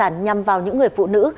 nhằm vào những người phụ nữ